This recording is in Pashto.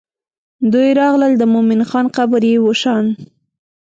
دوی راغلل د مومن خان قبر یې وشان.